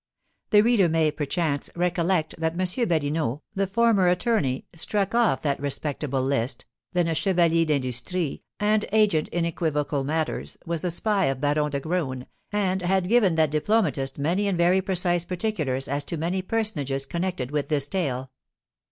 The reader may, perchance, recollect that M. Badinot, the former attorney, struck off that respectable list, then a Chevalier d'Industrie, and agent in equivocal matters, was the spy of Baron de Graün, and had given that diplomatist many and very precise particulars as to many personages connected with this tale.